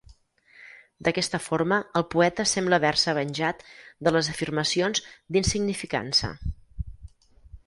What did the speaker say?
D"aquesta forma, el poeta sembla haver-se venjat de les afirmacions d"insignificança.